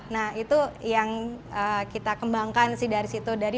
nah itu yang kita kembangkan sih dari situ